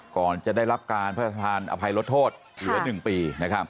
ก่อนจะได้รับการพระราชทานอภัยลดโทษเหลือ๑ปี